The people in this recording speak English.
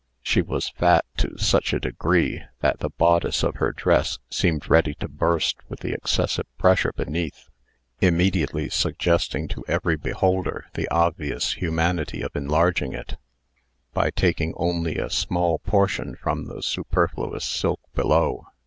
She was fat to such a degree, that the bodice of her dress seemed ready to burst with the excessive pressure beneath, immediately suggesting to every beholder the obvious humanity of enlarging it, by taking only a small portion from the superfluous silk below.